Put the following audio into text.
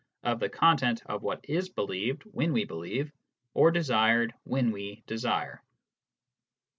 of the content of what is believed when we believe, or desired when we desire.